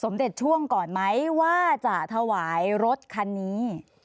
เด็จช่วงก่อนไหมว่าจะถวายรถคันนี้